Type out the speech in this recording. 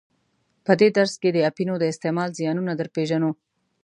په دې درس کې د اپینو د استعمال زیانونه در پیژنو.